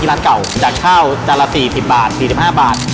ร้านเก่าจากข้าวจานละ๔๐บาท๔๕บาท